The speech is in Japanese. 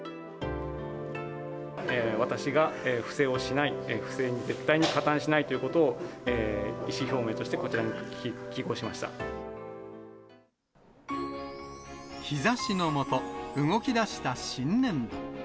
私が不正をしない、不正に絶対に加担しないということを意思表明としてこちらに書き日ざしの下、動きだした新年度。